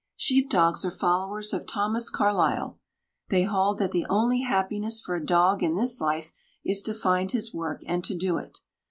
Sheep dogs are followers of Thomas Carlyle. They hold that the only happiness for a dog in this life is to find his work and to do it.